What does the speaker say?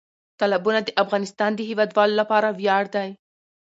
تالابونه د افغانستان د هیوادوالو لپاره ویاړ دی.